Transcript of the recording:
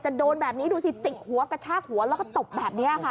โดนแบบนี้ดูสิจิกหัวกระชากหัวแล้วก็ตบแบบนี้ค่ะ